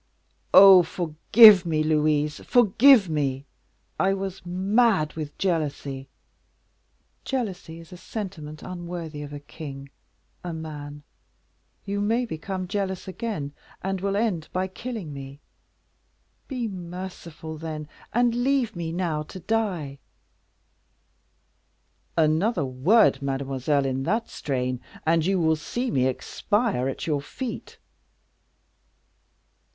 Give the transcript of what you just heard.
"Oh! forgive me, Louise, forgive me! I was mad from jealousy." "Jealousy is a sentiment unworthy of a king a man. You may become jealous again, and will end by killing me. Be merciful, then, and leave me now to die." "Another word, mademoiselle, in that strain, and you will see me expire at your feet."